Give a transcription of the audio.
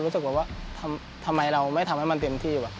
รู้สึกว่าทำไมเราไม่ทำให้มันเต็มที่ว่ะ